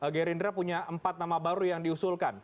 gerindra punya empat nama baru yang diusulkan